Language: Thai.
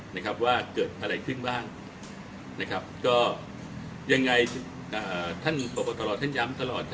นะครับว่าเกิดอะไรขึ้นบ้างนะครับก็ยังไงอ่าท่านพบตรท่านย้ำตลอด